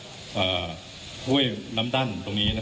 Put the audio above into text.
คุณผู้ชมไปฟังผู้ว่ารัฐกาลจังหวัดเชียงรายแถลงตอนนี้ค่ะ